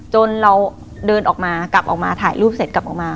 จนเราเดินออกมากลับออกมาถ่ายรูปเสร็จกลับออกมา